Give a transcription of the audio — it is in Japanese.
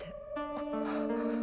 あっ。